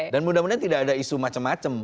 dan mudah mudahan tidak ada isu macam macam